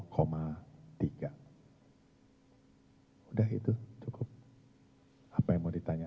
sudah itu cukup apa yang mau ditanya